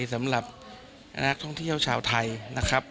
สำหรับนักท่องเที่ยวชาวไทยนะครับ